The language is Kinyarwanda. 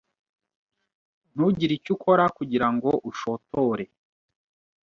Ntugire icyo ukora kugirango ushotore .